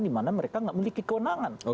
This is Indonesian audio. di mana mereka tidak memiliki kewenangan